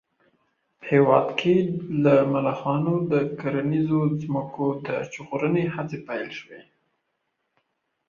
هېواد کې له ملخانو د کرنیزو ځمکو د ژغورنې هڅې پيل شوې